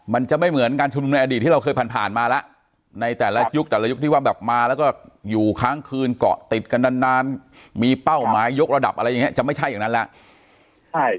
มันจะไม่เหมือนการชุมนุมในอดีตที่เราเคยผ่านผ่านมาแล้วในแต่ละยุคแต่ละยุคที่ว่าแบบมาแล้วก็อยู่ค้างคืนเกาะติดกันนานมีเป้าหมายยกระดับอะไรอย่างนี้จะไม่ใช่อย่างนั้นแล้ว